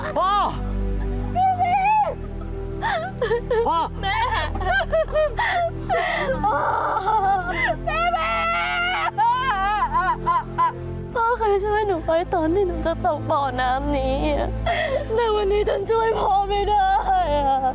พ่อพ่อแม่พ่อเคยช่วยหนูไปตอนที่หนูจะตกบ่อน้ำนี้ในวันนี้ฉันช่วยพ่อไม่ได้